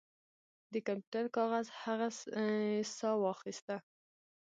د کمپیوټر کاغذ هغې ساه واخیسته